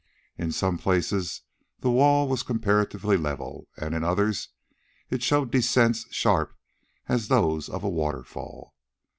In some places the wall was comparatively level and in others it showed descents sharp as those of a waterfall.